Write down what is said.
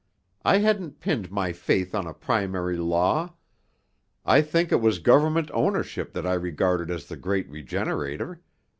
I hadn't pinned my faith on a primary law; I think it was government ownership that I regarded as the great regenerator.